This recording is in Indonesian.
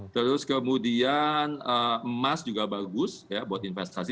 terus kemudian emas juga bagus ya buat investasi